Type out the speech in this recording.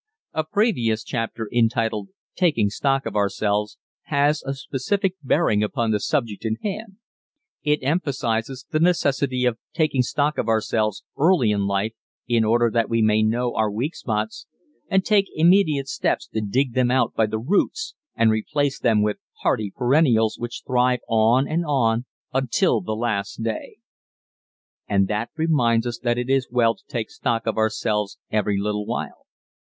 A previous chapter entitled, "Taking Stock of Ourselves," has a specific bearing upon the subject in hand. It emphasizes the necessity of taking stock of ourselves early in life in order that we may know our weak spots and take immediate steps to dig them out by the roots and replace them with "hardy perennials" which thrive on and on unto the last day. And that reminds us that it is well to take stock of ourselves every little while.